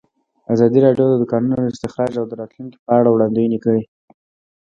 ازادي راډیو د د کانونو استخراج د راتلونکې په اړه وړاندوینې کړې.